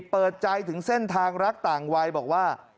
เปิดใจถึงเส้นทางรักต่างวัยบอกว่า